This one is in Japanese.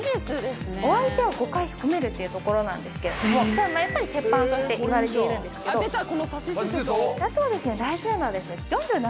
お相手を５回褒めるってところなんですけれどもやっぱり鉄板として言われているんですけど。